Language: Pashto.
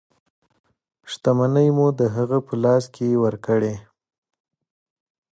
شتمنۍ مو د هغه په لاس کې ورکړې.